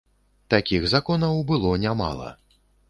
Такіх законаў было нямала.